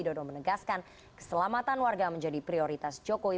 dodo menegaskan keselamatan warga menjadi prioritas jokowi